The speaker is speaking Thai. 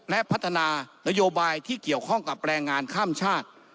และพัฒนานโยบายที่เกี่ยวข้องกับแรงงานข้ามชาติ